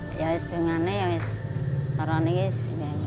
saya ingin memiliki kekuatan yang baik